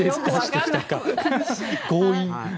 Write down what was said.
強引。